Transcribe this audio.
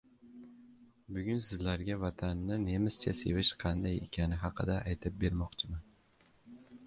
Bugun sizlarga vatanni nemischa sevish qanday ekani haqida aytib bermoqchiman.